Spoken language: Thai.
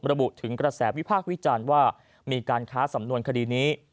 ระบุถึงกระแสวิพากษ์วิจารณ์ว่ามีการค้าสำนวนคดีนี้